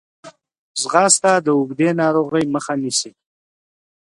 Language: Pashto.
ځغاسته د اوږدې ناروغۍ مخه نیسي